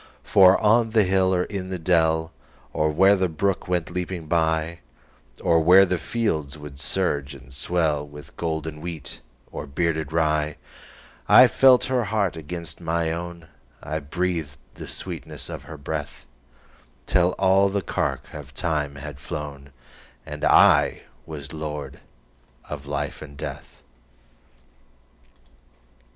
For on the hill or in the dell, Or where the brook went leaping byOr where the fields would surge and swellWith golden wheat or bearded rye,I felt her heart against my own,I breathed the sweetness of her breath, Till all the cark of time had flown, And I was lord of life and death.